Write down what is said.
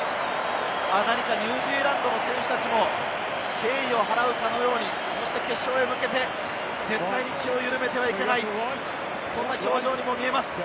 ニュージーランドの選手たちも敬意を払うかのように、決勝へ向けて、気を緩めてはいけない、そんな表情にも見えます。